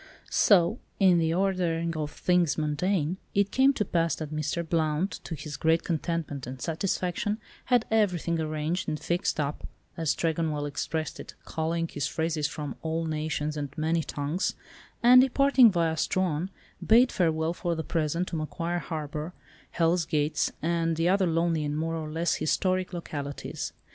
So, in the ordering of things mundane, it came to pass that Mr. Blount, to his great contentment and satisfaction, had everything arranged and "fixed up," as Tregonwell expressed it (culling his phrases from all nations and many tongues), and departing via Strahan, bade farewell for the present to Macquarie Harbour, Hell's Gates, and the other lonely and more or less historic localities.